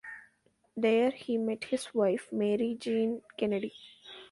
There, he met his wife, Mary Jean Kennedy.